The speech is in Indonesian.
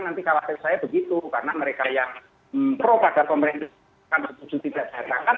nanti kalau saya begitu karena mereka yang propaganda kompetensi kan setuju tidak dihatakan